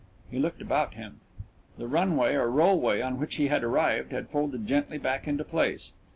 He looked about him. The runway or rollway on which he had arrived had folded gently back into place.